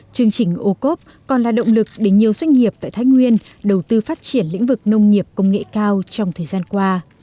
chương trình ô cốp còn là động lực để nhiều doanh nghiệp tại thái nguyên đầu tư phát triển lĩnh vực nông nghiệp công nghệ cao trong thời gian qua